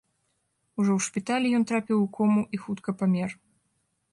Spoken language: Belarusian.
Ужо ў шпіталі ён трапіў у кому і хутка памер.